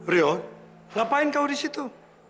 rion ngapain kamu di situ